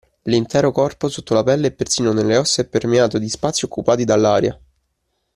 L'intero corpo, sotto la pelle e persino nelle ossa è permeato di spazi occupati dall'aria.